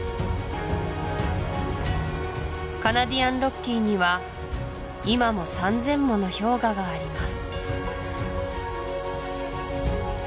カナディアンロッキーには今も３０００もの氷河があります